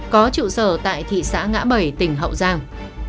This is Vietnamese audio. có trụ sở tại thị xã ngã bảy tỉnh hậu giang